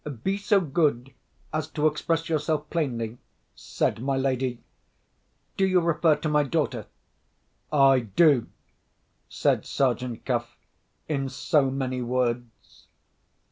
"Be so good as to express yourself plainly," said my lady. "Do you refer to my daughter?" "I do," said Sergeant Cuff, in so many words.